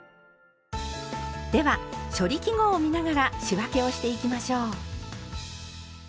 では「処理記号」を見ながら仕分けをしていきましょう。